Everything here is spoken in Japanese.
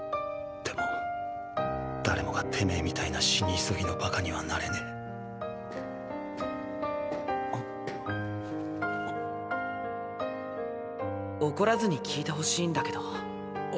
でも誰もがてめぇみたいな死に急ぎのバカにはなれねぇ怒らずに聞いてほしいんだけど。